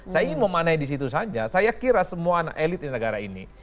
saya ingin memanai di situ saja saya kira semua anak elit di negara ini